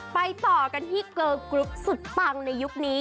ต่อกันที่เกอร์กรุ๊ปสุดปังในยุคนี้